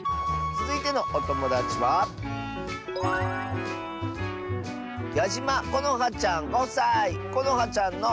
つづいてのおともだちはこのはちゃんの。